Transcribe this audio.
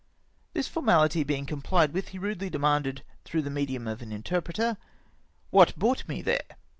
This formahty being comphed with, he rudely de manded, through' the medium of an interpreter, " What brought me there?"